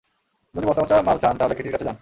যদি বস্তাপচা মাল চান, তাহলে কেটির কাছে যান।